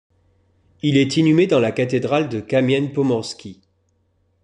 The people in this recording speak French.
Il est inhumé dans la cathédrale de Kamień Pomorski.